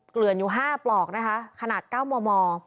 เกลือนอยู่๕ปลอกนะคะขนาด๙มม